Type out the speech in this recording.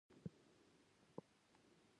لمسی د کور دښمنۍ ختموي.